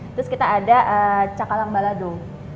terus kita ada cakalang balado